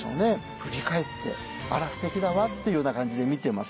振り返って「あら素敵だわ」っていうような感じで見てます。